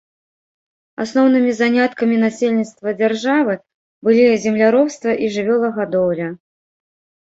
Асноўнымі заняткамі насельніцтва дзяржавы былі земляробства і жывёлагадоўля.